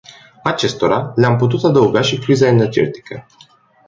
Acestora, le-am putea adăuga și criza energetică.